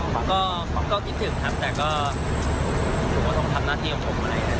ก็คิดถึงครับแต่ก็ถือว่าต้องทำหน้าที่ของผมอะไร